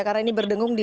karena ini berdengung di